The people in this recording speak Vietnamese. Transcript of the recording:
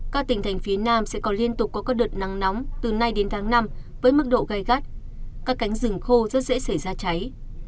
các tỉnh thành phía nam sẽ còn liên tục có các đợt nắng nóng từ nay đến tháng năm với mức độ gai gắt các cánh rừng khô rất dễ xảy ra cháy